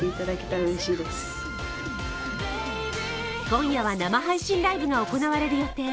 今夜は生配信ライブが行われる予定。